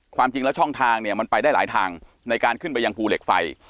ความจริงแล้วช่องทางเนี่ยมันไปได้หลายทางในการขึ้นไปยังภูเหล็กไฟ